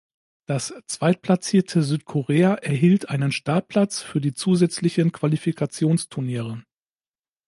Das zweitplatzierte Südkorea erhielt einen Startplatz für die zusätzlichen Qualifikationsturniere.